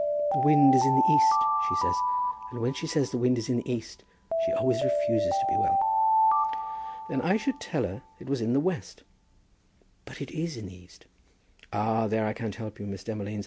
The wind is in the east, she says, and when she says the wind is in the east she always refuses to be well." "Then I should tell her it was in the west." "But it is in the east." "Ah, there I can't help you, Miss Demolines.